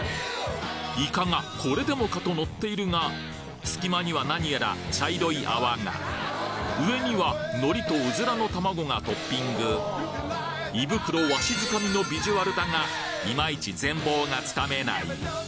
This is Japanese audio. イカがこれでもかとのっているがすき間には何やら茶色い泡が上には海苔とうずらの卵がトッピング胃袋わしづかみのビジュアルだがイマイチ全貌がつかめない